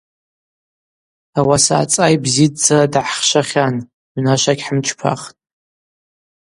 Ауаса ацӏай бзидздзара дгӏахӏхьшвахьан – йунашва гьхӏымчпахтӏ.